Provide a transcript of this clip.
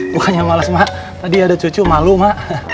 bukannya malas ma tadi ada cucu malu ma